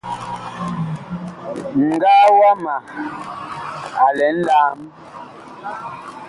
Ŋgaa wama a lɛ a nlam.